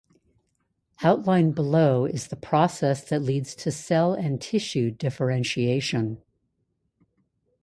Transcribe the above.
Outlined below is the process that leads to cell and tissue differentiation.